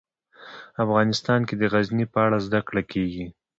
افغانستان کې د غزني په اړه زده کړه کېږي.